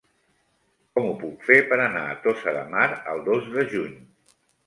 Com ho puc fer per anar a Tossa de Mar el dos de juny?